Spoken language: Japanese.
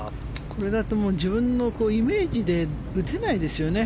これだと自分のイメージで打てないですよね。